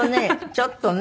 ちょっとね。